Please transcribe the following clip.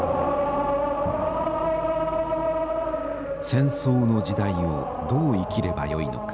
戦争の時代をどう生きればよいのか。